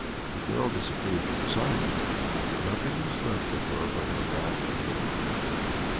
The girl disappeared from sight; nothing was left of her but her back hair.